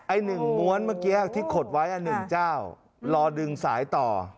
ไอ้หนึ่งม้วนเมื่อกี้ที่ขดไว้อันหนึ่งเจ้ารอดึงสายต่อ